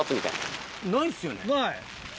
ない。